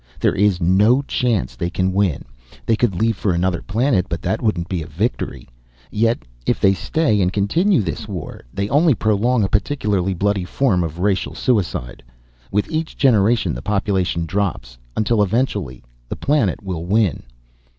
There is no chance they can win. They could leave for another planet, but that wouldn't be victory. Yet, if they stay and continue this war, they only prolong a particularly bloody form of racial suicide. With each generation the population drops. Until eventually the planet will win."